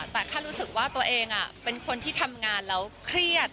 แต่แค่รู้สึกว่าตัวเองเป็นคนที่ทำงานแล้วเครียด